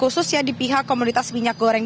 khususnya di pihak komunitas minyak goreng